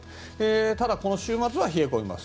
ただ、この週末は冷え込みます。